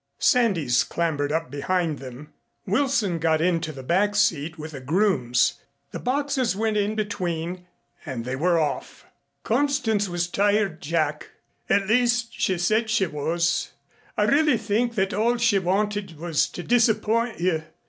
Sandys clambered up behind them. Wilson got into the back seat with the grooms, the boxes went in between, and they were off. "Constance was tired, Jack. At least she said she was. I really think that all she wanted was to disappoint you.